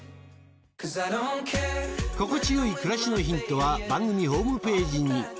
心地よい暮らしのヒントは番組ホームページに。